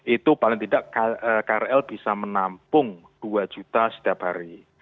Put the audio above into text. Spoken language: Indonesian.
itu paling tidak krl bisa menampung dua juta setiap hari